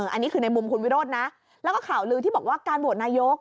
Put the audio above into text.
อันนี้คือในมุมคุณวิโรธนะแล้วก็ข่าวลือที่บอกว่าการโหวตนายก